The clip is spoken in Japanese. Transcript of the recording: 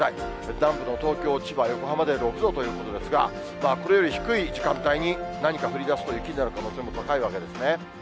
南部の東京、千葉、横浜では６度ということですが、これより低い時間帯に何か降りだすと、雪になる可能性も高いわけですね。